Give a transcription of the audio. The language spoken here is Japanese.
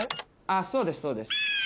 そうですそうです。